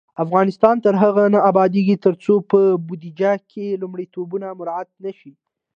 افغانستان تر هغو نه ابادیږي، ترڅو په بودیجه کې لومړیتوبونه مراعت نشي.